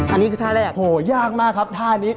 อันนี้คือท่าแรกโอ้โหยากมากครับท่านี้